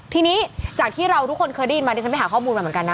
ทีนี้จากที่เราทุกคนเคยได้ยินมาดิฉันไปหาข้อมูลมาเหมือนกันนะ